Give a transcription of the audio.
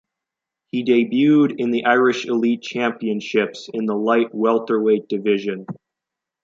He debuted in the Irish Elite Championships in the light welterweight division.